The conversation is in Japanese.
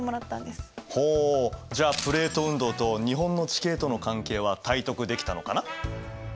ほうじゃあプレート運動と日本の地形との関係は体得できたのかな？